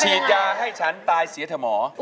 ฉีดยาให้ฉันตายเสียเถอะหมอ